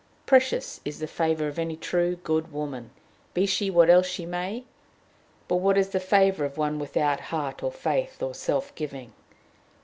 Precious is the favor of any true, good woman, be she what else she may; but what is the favor of one without heart or faith or self giving?